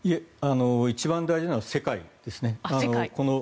一番大事なのは世界です。